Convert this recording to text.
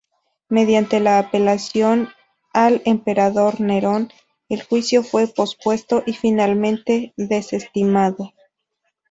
Mediante la apelación al emperador Nerón, el juicio fue pospuesto y finalmente desestimado.